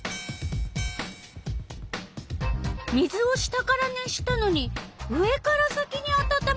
水を下から熱したのに上から先にあたたまった。